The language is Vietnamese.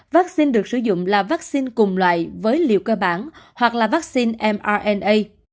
vaccine được sử dụng là vaccine cùng loại với liều cơ bản hoặc là vaccine mrna